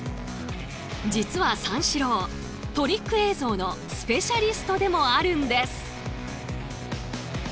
実は三志郎トリック映像のスペシャリストでもあるんです。